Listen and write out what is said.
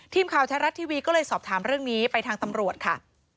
ทีมข่าวแท้รัฐทีวีก็เลยสอบถามเรื่องนี้ไปทางตำรวจค่ะ